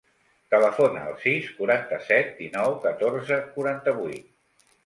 Telefona al sis, quaranta-set, dinou, catorze, quaranta-vuit.